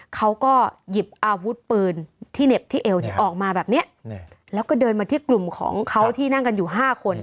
เขาก็หยิบอาวุธปืนที่เหน็บที่เอวเนี่ยออกมาแบบนี้แล้วก็เดินมาที่กลุ่มของเขาที่นั่งกันอยู่๕คน